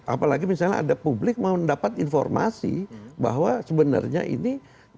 apalagi misalnya ada publik mau mendapat informasi bahwa sebenarnya ini